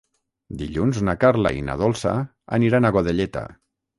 Dilluns na Carla i na Dolça aniran a Godelleta.